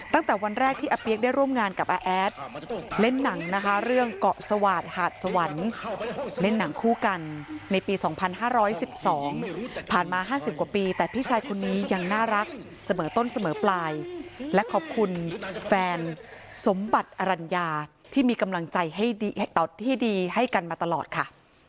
ตั้งแต่วันแรกที่อาเปี๊ยกได้ร่วมงานกับอาแอดเล่นหนังนะคะเรื่องเกาะสวาสตหาดสวรรค์เล่นหนังคู่กันในปี๒๕๑๒ผ่านมา๕๐กว่าปีแต่พี่ชายคนนี้ยังน่ารักเสมอต้นเสมอปลายและขอบคุณแฟนสมบัติอรัญญาที่มีกำลังใจให้ดีให้กันมาตลอดค่ะ